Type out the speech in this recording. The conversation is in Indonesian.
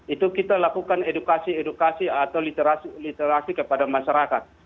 itu kita lakukan edukasi edukasi atau literasi literasi kepada masyarakat